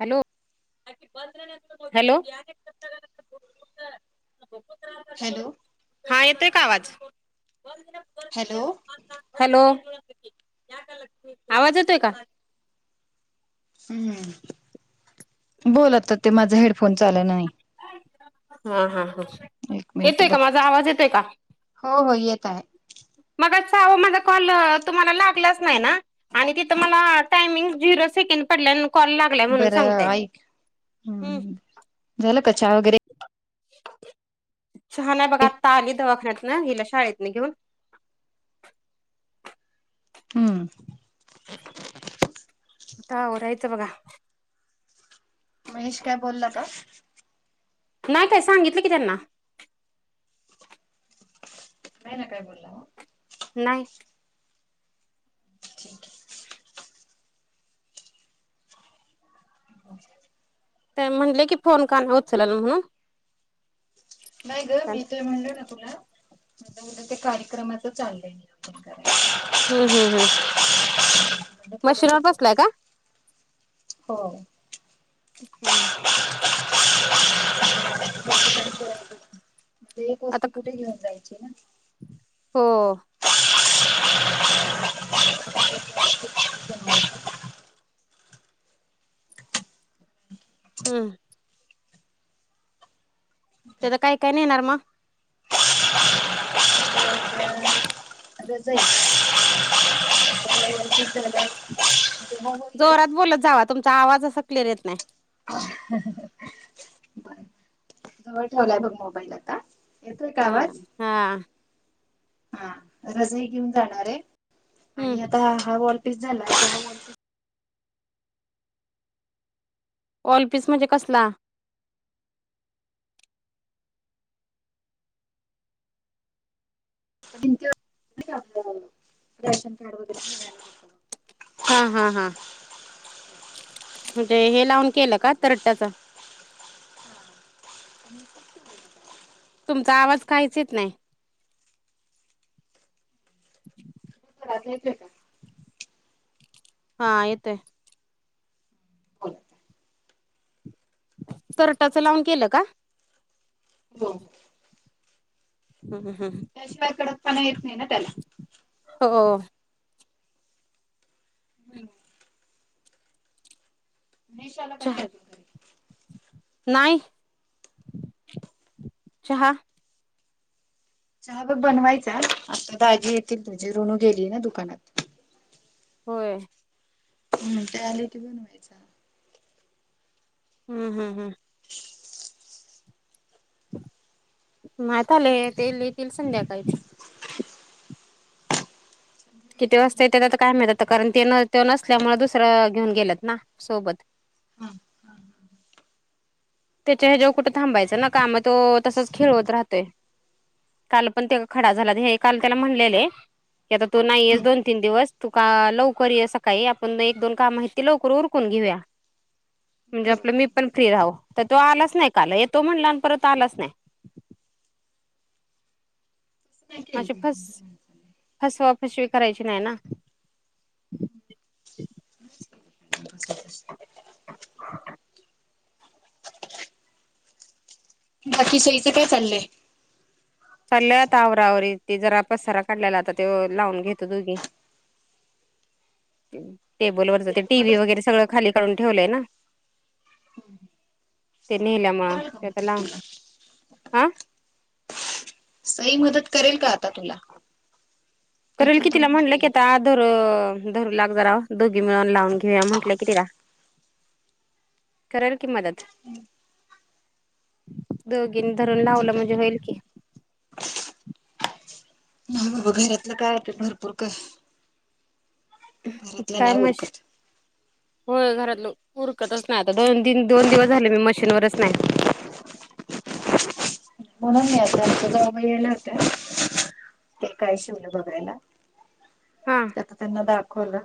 Hello, hello. [unintelligible] जर कुत्रा hello हा येतोय का आवाज? [inaudible] हॅलो हॅलो, आवाज येतोय का? [inaudible] हम्म बोलत होते ते माझ हेडफोन चालना [inaudible] हा हा हा येतय का माझा आवाज येतय का? हो हो येत आहे. मगाचा आहो माझ कॉल तुम्हाला लागलाच नाही ना! आणि तिथं मला... टायमिंग झिरो सेकंड पडल्यान कॉल लागलाय म्हणून बरं सांगते, हम्म... झाला का? चाहा वगैरे, [inaudible] चाहानाय बघा आता आली दवाखान्यातन हिला शाळेतन घेऊन. हम् आता आवरायच बघा. महेश काय बोलाका? नाय काय सांगितलं की त्यांना नाय ना काय बोला? नाय. ते म्हनलेकी फोन कानाय उचलला म्हणून.. नाही ग मी ते म्हणल, ना तुला आता ते कार्यक्रमाचं चाललंय [unintelligible] हम्म हम्म हम्म. [unintelligible] आता मशीनवर थोडसच बसलाय का हाय हम्म अ... [unintelligible] [unintelligible] एक आता वस्तू कुठे घेऊन जायची ना. हो हम्म त्याज काय काय णेनार म! आता जाइन [unintelligible] जोरात बोलत जावा, तुमचा आवाजच असा क्लियर येत नाय. ह हा. जवळ ठेवलाय बघ मोबाईल आता. येतोय का अं आवाज ‌.. हा.. हा रजही घेऊन जाणार आहे, आणि हम्म आता हा वॉलपीस झाला. वॉलपीस वॉलपीस म्हणजे कसला! [unintelligible] हा हा हा. म्हणजे हे लावून केलं का तरट्याच. [unintelligible] तुमचा आवाज काहीचं येत नाही. [unintelligible] हा येतोय. होय. तरटाच लावून केलं का. हो. हम हम. त्याशिवाय कडक पणा येत नाही ना त्याला. हो हो. मनीष महेश आला की नाही चहा अजून. घरी नाही चहा. चहा बघ बनवायचा, आता दाजी येतील तुझी ऋणू गेली ना दुकानात. होय. हम्म ते आले होती बनवायचा. हम्म हम् हम्. मग आतले तेल येतील संध्याकाळीच. किती वाजता येत्यात आता काय माहिती कारण, ते ते नसल्यामुळे दुसरं घेऊन गेलेत ना सोबत. तेच्या हेच्यावर कुठं थांबायचं ना, काम मग तो तसंच खेळवत राहतोय. काल पण ते खडा झाला हे, काल त्याला म्हणलेले. आता तू नाहीयेस हम्म दोन तीन दिवस तू का लवकर ये सकाळी आपण एक दोन कामं आहेत ती लवकर उर कून घेऊया. म्हणजे बरोबर आपलं आहे मी की पण फ्री राहो, तर तो आलाच नाही काल येतो. म्हणला परत आलाच नाही. असं नाही केलं मग फस फसवा फसवी करायची नाही ना. [inaudible] बाकी सईचं काय चाललंय. चालल्या आता आवरा आवरी ते जरा, पसारा काढलेला आता ते लावून घेतो दोघी. टेबलवरच ते आता टी व्ही मदत वगैरे, सगळं खाली काढून ठेवलंय ना. ते नेल्यामुंळ, कराल का ते आता मदत लांब तुला हा. सई मदत करेल का आता तुला? ती करेल पण कि तिला दमून म्हटलं आली की आहे ना आता धरू धरू लाग जरा, दोघी मिळून लावून घेऊया म्हटलं की तिला. करल की मदत. दोघीन धरून ती लावलं, पण म्हणजे होईल की. हा बाबा घरातलं काय तर भरपूर काय. घरातलं काय नाही म्हश. उरकत होय घरात उरकतच नाही आता, दोन दिन दोन दिवस झाले मी मशीनवरच नाही. म्हणून नाही आता जावूबाई आल्या होत्या. ते काय शिवलंय बघायला हा आता त्यांना दाखवलं.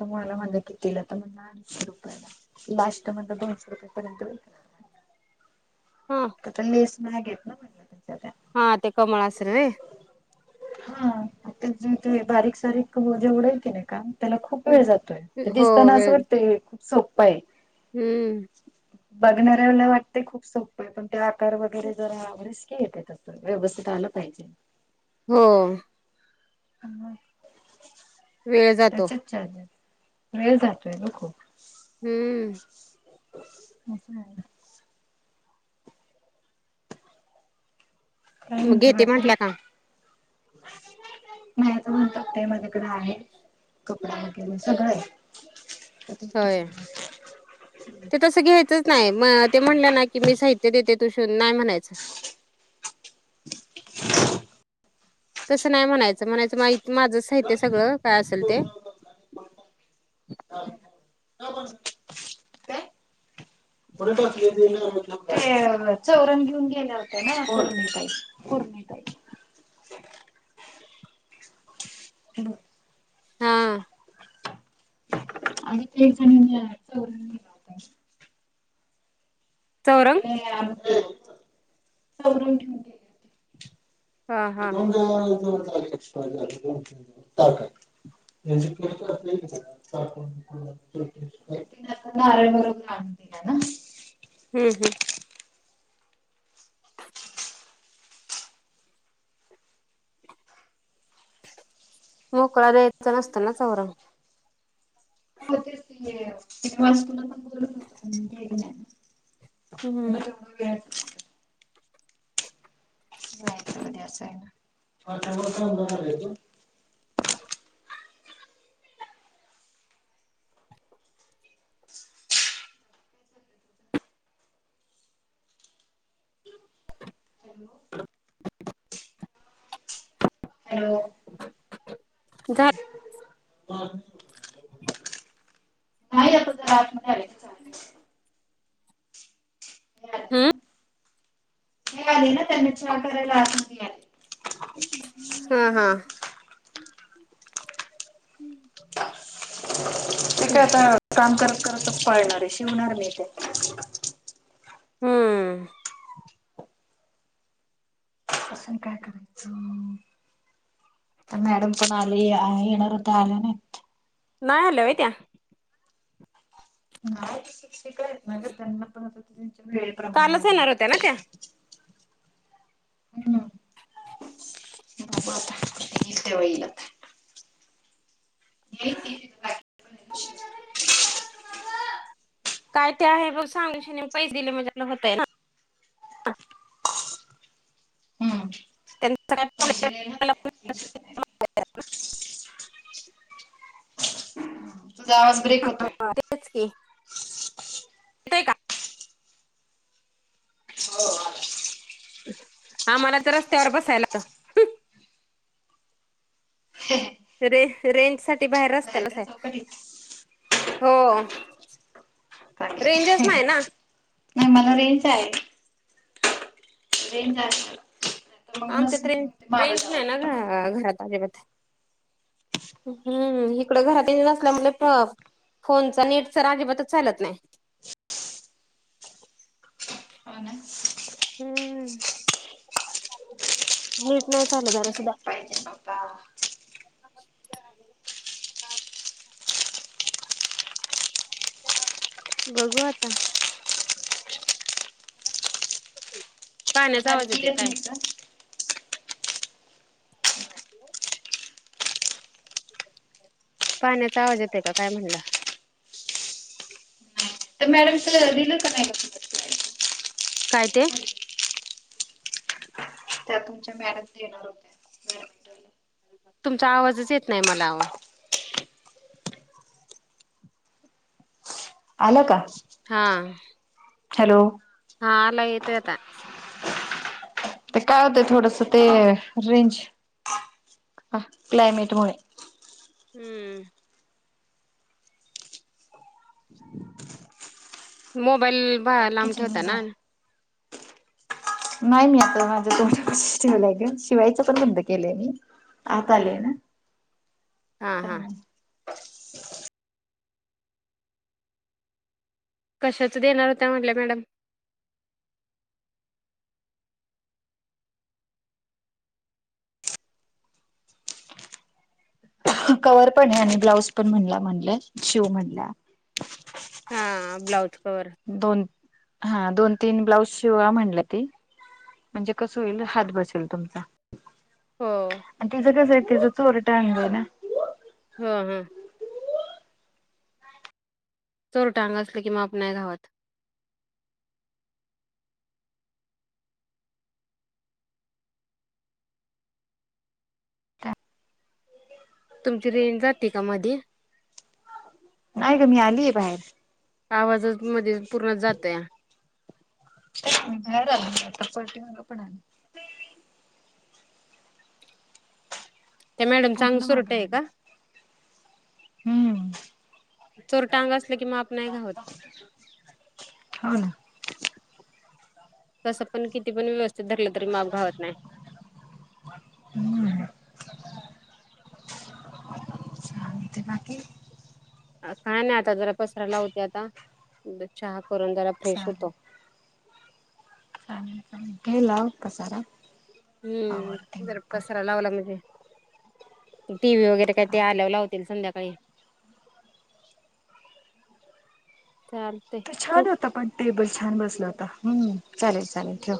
तर मला म्हणल कितीलं तर म्हणला आठशे रुपयाला, लास्ट म्हणल दोनशे रुपय पर्यंत. हां.. [unintelligible] तेच्या त्या. हा ते कमळ [unintelligible] होय. हा त्यातून तुम्ही बारीक सारीक व- जेवढं हे केलंय का? त्याला खूप वेळ जातोय ते, हो दिसताना असं वेळ वाटतंय खूप सोप्पं आहे. हम्म. बघणाऱ्याला वाटते खूप सोप पण ते आकार वगैरे जरा, रिस्की आहे ते तसं व्यवस्थित आलं पाहिजे. हो. [unintelligible] वेळ जातो. अच्छ अच् वेळ जातोय गं कूप [unintelligible] हम्म. [unintelligible] काय म म्हणते घेते बाकी म्हटलं का? नाहीच म्हणताय ते माझ्याकडे आहे कपडा वगैरे सगळं आहे. ते होय. ते तसं घ्यायचंच नाही म ते म्हणलं ना की मी साहित्य देते तु शीव नाही म्हणायचं. तसं नाही म्हणायचं म्हणायचं माय माझं साहित्य सगळं काय असेल ते. ते चौरंग घेऊन गेल्या ना [unintelligible] ताई. कोरणी ताई न [unintelligible] हा. आम्ही तेईस जणीनी याच्यावरून चौरंग [unintelligible] त्यावरुन ठेवून घे. हा हा [unintelligible] ज [unintelligible] तता आरम बरोबर आण त ना [unintelligible] हम्म हम्म. मोकळा द्यायचं नसतं ना चौरंग. [unintelligible] हम्म [inaudible] का [unintelligible] हॅलो. घात [unintelligible] [unintelligible] हम्म. आली ना त्यां चहा करायला [unintelligible] हा हा. [inaudible] ते काय आता काम करत करत पळणार आहे शिवणार मी ते. हम्म. असं काय करायचं तर मॅडम पण आले आहे येणार होता आल्या नाही. नाही आल्या व्हय त्या्? नाही शिक्षिका [unintelligible] मगं त्यांना [unintelligible] वेळे प्रमाणे कालच येणार होत्या ना बघणार. त्या हम्म. ब येलतेव इल [unintelligible] [unintelligible] [unintelligible] काय ते आहे बघ सांगूशने पैसे दिले मजकला होतय ना. हम्म. त्यांचा प्रॉब् [unintelligible] ना [unintelligible] तूझा आवाज ब्रेक होतोय. तेच की येतोय का आम्हाला तर रस्त्यावर बसायलात रे रेंज साठी बाहेर रस्त्यालाच का आहे. चौकटीत हो चांगलंय रेंजच नाही ना. नाही मला रेंज आहे. रे जा [unintelligible] आमच्या ट्रेन ट्रेनच नाही ना मला घ घरात अजि [unintelligible] हम्म इकड घरात ये नसल्या मुळे प्र फोनच नेट तर अजिबातच चालत नाही. हो ना [unintelligible] हम्म हम हम. नीट नाही चालत जरा सुद्धा. नेट पाहिजे बाबा. ह [unintelligible] बघू आता. ती पाण्याचा आवाज बारकी येतोय येत काय काय? नाही का? ह [unintelligible] [unintelligible] पाण्याचा आवाज येतोय काय काय म्हणलं? मॅडम त दिलं का नाही? स्लाईड? काय ते? तुच्या म ये हो [unintelligible] तुमचा आवाजच येत नाही मला आहो. आलं का? हा. हॅलो! हा आला येतोय आता आवाज ते काय होतंय थोडस ते रेंज क्लायमेटमुळे. हम्म. मोबाईल ब लांब किचन ठेवता मध्ये ना? आहे. नाही मी आता माझ्या तड [unintelligible] शेवलाे शिवायचं पण बंद केलंय मी. आत हम्म आलेय ना? हा हा कशाच देणार होत्या म्हटल्या मॅडम? कवर पण आहे आणि ब्लाऊज पण म्हणला म्हणल्या शिव म्हणल्या. हा ब्लाौज कवर दोन हा दोन तीन ब्लाउज शिवा म्हणल्या ती म्हणजे कस होईल हात बसेल तुमचा. हो? आणि तिचं कसं आहे तिचं चोर [unintelligible] टात ये ना. हा हा. चोर टांग असल की मग आपण नाही घावत. तुमची रेंज जाते का मध्ये? नाही ग मी आलीये बाहेर. आवाजच मध्येच पूर्ण जात या. मी बाहेर आल कपटिं कपड आली [unintelligible] ते मॅडम चांग पूर्ण मागे सुरटे आहे आली. का? हम्म. चोरट अंग असलं की माप नाही घावत हो ना [unintelligible] तसं पण किती पण व्यवस्थित धरलं तरी माप घावत नाही. हम्म. [unintelligible] ते बाकी [unintelligible] काय ना आता जरा पसरायला होते आता चहा करून जरा फ्रेश चालेल. होतो. चांगले चांगले खेलाव पसारा. [unintelligible] आवरते हम्म मी जर पण पसरा लाव लागल टी व्ही वगैरे काही ते चालेल. आल्याव लावत त्याले संध्याकाळी चालते. ते [unintelligible] छान होता पण टेबल छान बसला होता. हम्म चालेल चालेल ठेव.